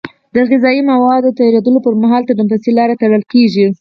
د غذایي موادو د تیرېدلو پر مهال تنفسي لاره تړل کېږي.